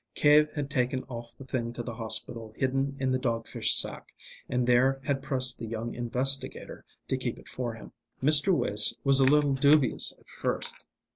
Cave had taken off the thing to the hospital hidden in the dog fish sack, and there had pressed the young investigator to keep it for him. Mr. Wace was a little dubious at first.